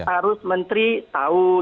harus menteri tahu